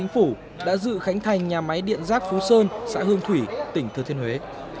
phủ đã dự khánh thành nhà máy điện giác phú sơn xã hương thủy tỉnh thư thiên huế